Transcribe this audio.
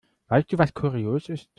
Weißt du, was kurios ist?